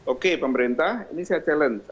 oke pemerintah ini saya challenge